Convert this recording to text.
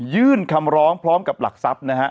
ยื่นคำร้องพร้อมกับหลักทรัพย์นะฮะ